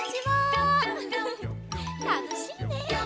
たのしいね。